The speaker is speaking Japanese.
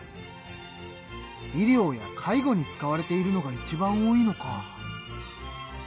医療や介護に使われているのがいちばん多いのか。